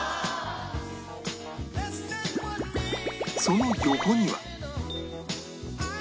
その横には